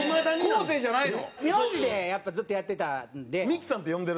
名字でずっとやってたんで。